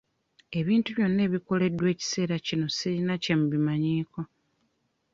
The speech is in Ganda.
Ebintu byonna ebikoleddwa ekiseera kino sirina kye mbimanyiiko.